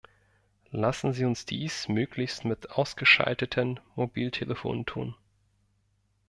Lassen Sie uns dies möglichst mit ausgeschalteten Mobiltelefonen tun.